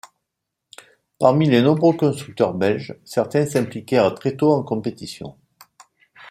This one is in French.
Parmi les nombreux constructeurs belges, certains s'impliquèrent très tôt en compétition.